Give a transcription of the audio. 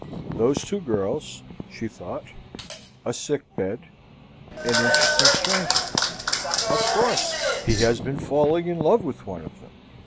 "Those two girls," she thought, "a sick bed an interesting stranger of course he has been falling in love with one of them."